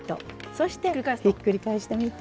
そしてひっくり返してみて。